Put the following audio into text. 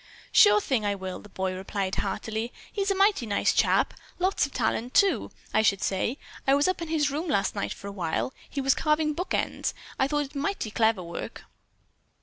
"Sure thing, I will!" the boy replied heartily. "He's a mighty nice chap. Lots of talent, too, I should say. I was up in his room last night for a while. He was carving book ends. I thought it mighty clever work."